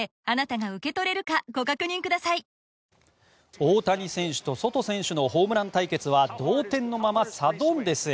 大谷選手とソト選手のホームラン対決は同点のままサドンデスへ。